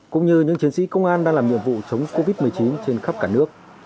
cũng như những chiến sĩ công an đang làm nhiệm vụ chống covid một mươi chín trên khắp cả nước